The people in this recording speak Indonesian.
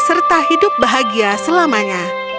serta hidup bahagia selamanya